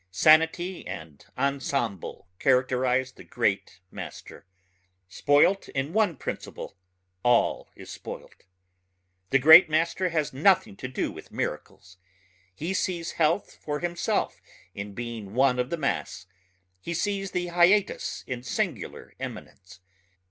Sanity and ensemble characterize the great master ... spoilt in one principle all is spoilt. The great master has nothing to do with miracles. He sees health for himself in being one of the mass ... he sees the hiatus in singular eminence.